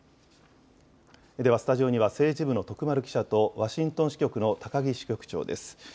ではスタジオには政治部の徳丸記者とワシントン支局の高木支局長です。